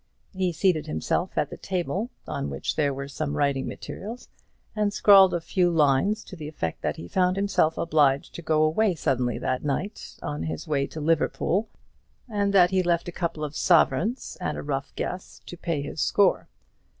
He seated himself at the table, on which there were some writing materials, and scrawled a few lines to the effect that he found himself obliged to go away suddenly that night, on his way to Liverpool, and that he left a couple of sovereigns, at a rough guess, to pay his score.